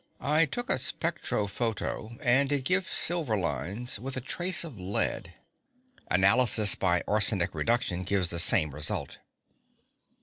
I took a spectro photo and it gives silver lines with a trace of lead. Analysis by arsenic reduction gives the same result."